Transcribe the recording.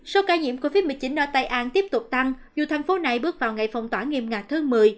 số ca nhiễm covid một mươi chín ở tây an tiếp tục tăng dù thành phố này bước vào ngày phong tỏa nghiêm ngặt thứ một mươi